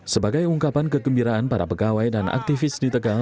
sebagai ungkapan kegembiraan para pegawai dan aktivis di tegal